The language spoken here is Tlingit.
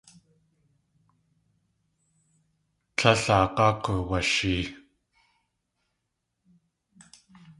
Tlél aag̲áa k̲uwushee.